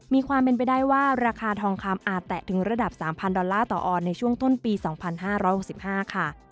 มีความเป็นไปได้ว่าราคาทองคำอาจแตะถึงระดับ๓๐๐ดอลลาร์ต่อออนในช่วงต้นปี๒๕๖๕ค่ะ